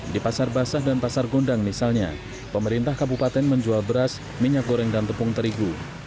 di pasar basah dan pasar gondang misalnya pemerintah kabupaten menjual beras minyak goreng dan tepung terigu